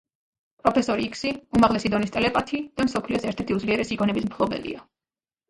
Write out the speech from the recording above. პროფესორი იქსი უმაღლესი დონის ტელეპათი და მსოფლიოს ერთ-ერთი უძლიერესი გონების მფლობელია.